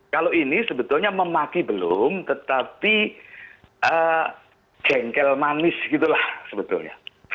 kalau ini sebetulnya memaki belum tetapi jengkel manis gitu lah sebetulnya